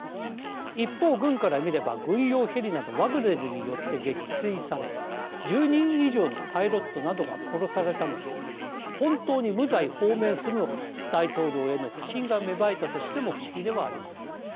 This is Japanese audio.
一方軍から見れば軍用ヘリなどワグネルによって撃墜され１０人以上のパイロットなどが殺されたのに本当に無罪放免するのかと大統領への不信が芽生えたとしても不思議ではありません。